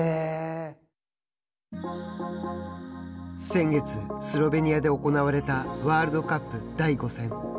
先月、スロベニアで行われたワールドカップ第５戦。